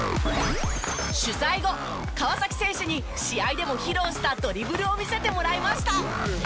取材後川崎選手に試合でも披露したドリブルを見せてもらいました。